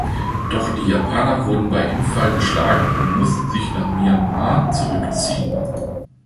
Doch die Japaner wurden bei Imphal geschlagen und mussten sich nach Myanmar zurückziehen.